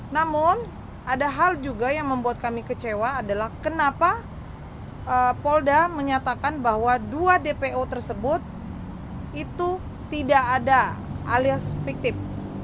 namun ada hal juga yang membuat kami kecewa adalah kenapa polda menyatakan bahwa dua dpo tersebut itu tidak ada alias fiktif